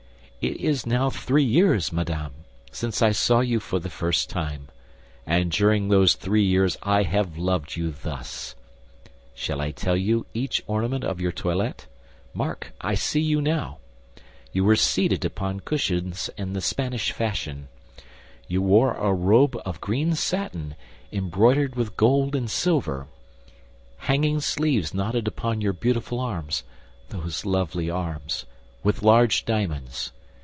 It is now three years, madame, since I saw you for the first time, and during those three years I have loved you thus. Shall I tell you each ornament of your toilet? Mark! I see you now. You were seated upon cushions in the Spanish fashion; you wore a robe of green satin embroidered with gold and silver, hanging sleeves knotted upon your beautiful arms—those lovely arms—with large diamonds.